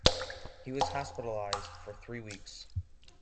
He was hospitalized for three weeks.